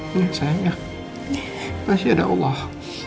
ya sayang ya masih ada allah